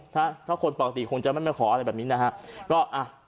ถ้าคนปกติคงจะไม่มาขออะไรแบบนี้นะฮะ